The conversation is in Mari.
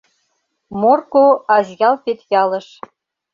Морко — Азъял-Петъялыш.